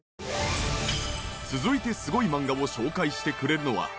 続いてすごい漫画を紹介してくれるのは。